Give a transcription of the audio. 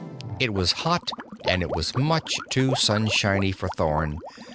It was hot and it was much too sunshiny for Thorn.